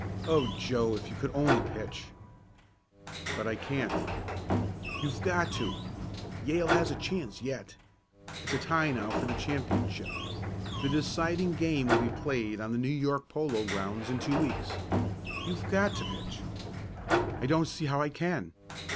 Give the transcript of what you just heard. Oh, Joe, if you could only pitch!" "But I can't." "You've just got to! Yale has a chance yet. It's a tie now for the championship. The deciding game will be played on the New York Polo Grounds in two weeks. You've got to pitch!" "I don't see how I can."